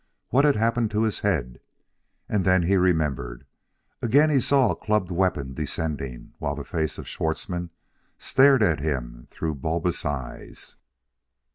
what had happened to his head?... And then he remembered. Again he saw a clubbed weapon descending, while the face of Schwartzmann stared at him through bulbous eyes....